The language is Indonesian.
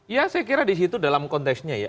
ya saya kira di situ dalam konteksnya ya